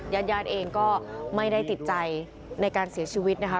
ญาติญาติเองก็ไม่ได้ติดใจในการเสียชีวิตนะคะ